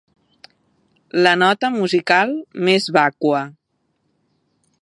La nota musical més vàcua.